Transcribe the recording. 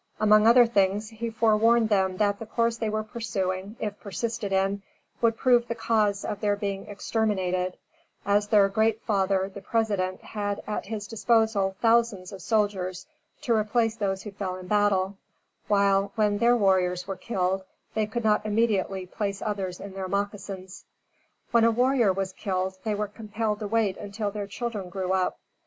Among other things, he forewarned them that the course they were pursuing, if persisted in, would prove the cause of their being exterminated, as their "Great Father," the President, had at his disposal thousands of soldiers to replace those who fell in battle, while, when their warriors were killed, they could not immediately place others in their moccasins. When a warrior was killed, they were compelled to wait until their children grew up.